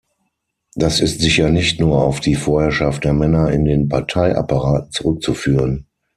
Das ist sicher nicht nur auf die Vorherrschaft der Männer in den Parteiapparaten zurückzuführen.